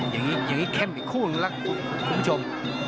อย่างงี้แค่มอีกคู่หนึ่งล่ะคุณผู้ชม